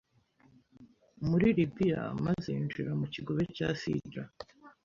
muri Libiya maze yinjira mu kigobe cya Sidra